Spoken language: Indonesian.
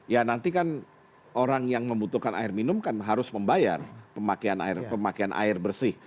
ya nanti kan orang yang membutuhkan air minum kan harus membayar pemakaian air bersih